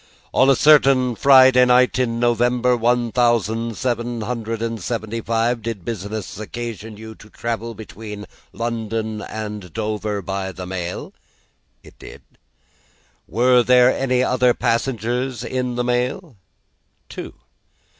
"On a certain Friday night in November one thousand seven hundred and seventy five, did business occasion you to travel between London and Dover by the mail?" "It did." "Were there any other passengers in the mail?" "Two."